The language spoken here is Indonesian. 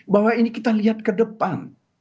bahwa ini kita lihat ke depan